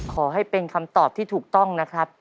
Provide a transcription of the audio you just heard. ขอให้เป็นคำตอบที่ถูกต้องนะครับ